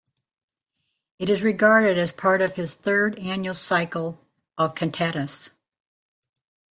It is regarded as part of his third annual cycle of cantatas.